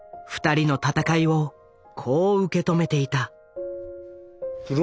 ２人の戦いをこう受け止めていた。